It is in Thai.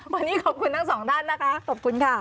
วันนี้ขอบคุณทั้งสองท่านนะคะขอบคุณค่ะ